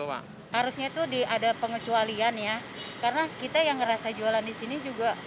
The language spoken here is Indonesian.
harusnya itu diada pengecualian ya karena kita yang ngerasa jualan di sini juga